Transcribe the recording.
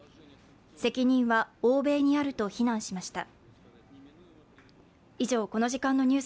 責任は欧米にあると非難しました。